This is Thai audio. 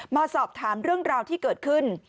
มาสอบถามเรื่องราวที่เกิดขึ้น